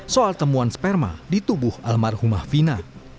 soal temuan sperma di tubuh almarhumah fina